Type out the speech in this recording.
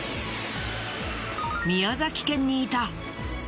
宮崎県にいた！